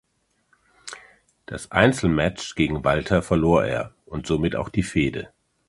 Das Einzelmatch gegen Walter verlor er und somit auch die Fehde.